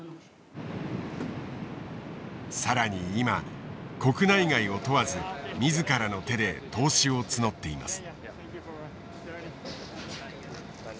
更に今国内外を問わず自らの手で投資を募っています。